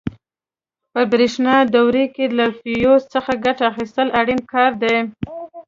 په برېښنایي دورو کې له فیوز څخه ګټه اخیستل اړین کار دی.